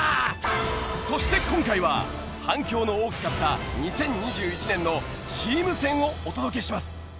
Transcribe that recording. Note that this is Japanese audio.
そして今回は反響の大きかった２０２１年のチーム戦をお届けします。